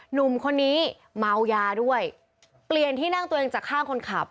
หนุ่มคนนี้เมายาด้วยเปลี่ยนที่นั่งตัวเองจากข้างคนขับ